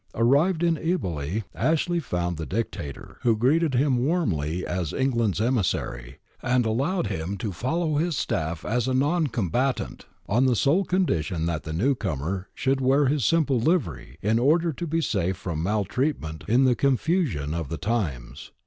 Arrived in Eboli, Ashley found the Dictator, who greeted him warmly as England's emissary, and allowed him to follow his staff as a non combatant, on the sole condition that the new comer should wear his simple livery, in order to be safe from maltreatment in the confusion of the times.